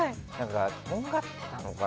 とんがってたのかな？